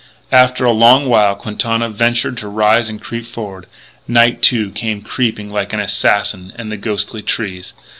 After a long while Quintana ventured to rise and creep forward. Night, too, came creeping like an assassin amid the ghostly trees.